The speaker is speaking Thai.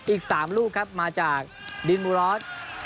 อีก๓ลูกครับมาจากดินบูรอส